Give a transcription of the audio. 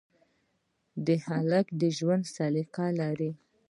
هلک د ژوند سلیقه لري.